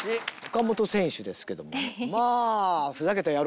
岡本選手ですけどもまあ。